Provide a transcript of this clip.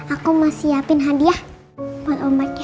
aku mau siapin hadiah buat ombaknya